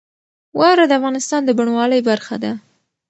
واوره د افغانستان د بڼوالۍ برخه ده.